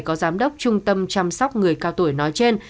có giám đốc trung tâm chăm sóc người cao tuổi nói trên